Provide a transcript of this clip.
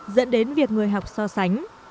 dẫn đến việc người học so sánh